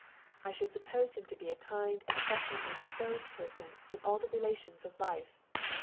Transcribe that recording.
I should suppose him to be a kind and affectionately disposed person in all the relations of life.